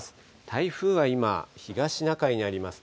台風は今、東シナ海にあります。